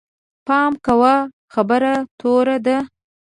پام کوه، خبره توره ده